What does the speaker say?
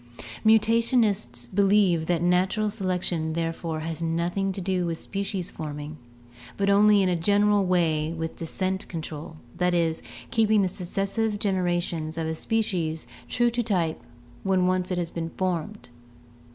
Mutationists believe that natural selection therefore has nothing to do with species forming, but only in a general way with descent control, that is, keeping the successive generations of a species true to type when once it has been formed.